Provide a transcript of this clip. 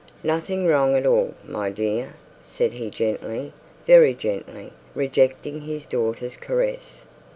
'Nothing wrong at all, my dear,' said he, gently, very gently rejecting his daughter's caresses.